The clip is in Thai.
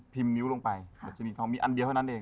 นิ้วลงไปดัชนีทองมีอันเดียวเท่านั้นเอง